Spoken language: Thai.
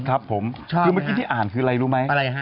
ครับผมคือเมื่อกี้ที่อ่านคืออะไรรู้ไหมครับผมชอบไหมครับ